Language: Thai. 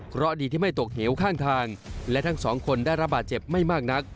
เพราะดีที่ไม่ตกเหวข้างทางและทั้งสองคนได้รับบาดเจ็บไม่มากนัก